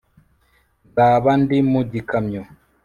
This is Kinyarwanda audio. nzaba ndi mu gikamyo